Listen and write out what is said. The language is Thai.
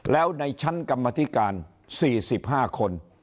แล้วในชั้นกรรมธิการ๔๕คน